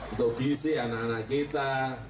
untuk gisi anak anak kita